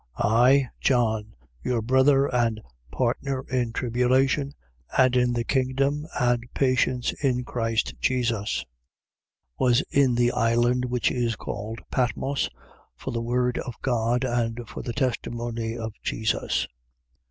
I, John, your brother and your partner in tribulation and in the kingdom and patience in Christ Jesus, was in the island which is called Patmos, for the word of God and for the testimony of Jesus.